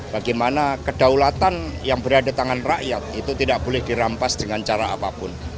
bagaimana kedaulatan yang berada tangan rakyat itu tidak boleh dirampas dengan cara apapun